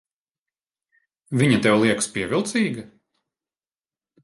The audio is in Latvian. Viņa tev liekas pievilcīga?